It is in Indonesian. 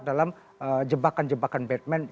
dalam jebakan jebakan batman